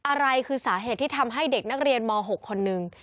อะไรคือสาเหตุที่ทำให้เด็กนักเรียนม๖คนนึง